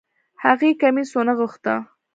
هغې کميس ونغښتۀ